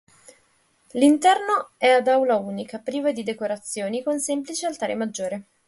L'interno è ad aula unica, priva di decorazioni, con semplice altare maggiore.